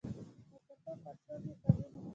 د څپو پر شور مې پلونه